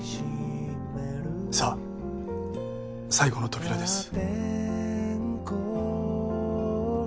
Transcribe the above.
さあ最後の扉です。